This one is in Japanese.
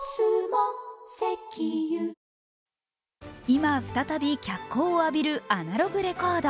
今再び脚光を浴びるアナログレコード。